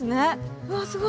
うわすごい！